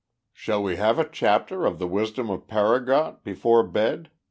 "Shall we have a chapter of the wisdom of Paragot before bed?"